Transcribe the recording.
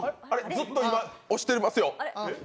ずっと今、押してますよ。